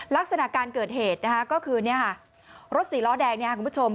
ลักษณะการเกิดเหตุนะคะก็คือรถสีล้อแดงเนี่ยคุณผู้ชม